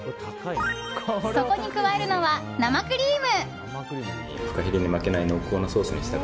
そこに加えるのは生クリーム。